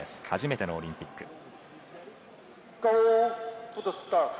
初めてのオリンピック。